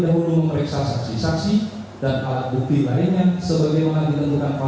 termohon menetapkan kemohon sebagai tersangka